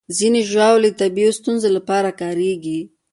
ځینې ژاولې د طبي ستونزو لپاره کارېږي.